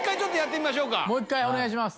もう１回お願いします。